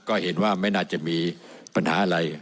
ก็เห็นว่าไม่น่าจะมีปัญหาอะไร